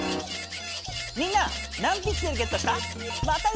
みんな何ピクセルゲットした？